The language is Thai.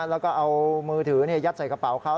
แล้วก็เอามือถือยัดใส่กระเป๋าเขา